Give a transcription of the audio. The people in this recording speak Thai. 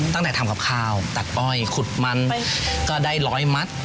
ตั้งแต่ทำกับข้าวตัดอ้อยขุดมันก็ได้ร้อยมัด